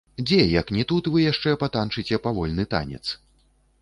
Дзе, як ні тут, вы яшчэ патанчыце павольны танец?